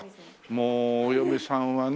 もうお嫁さんはね